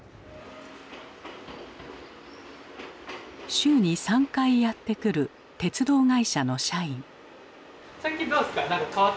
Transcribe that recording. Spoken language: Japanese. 週に３回やって来る鉄道会社の社員。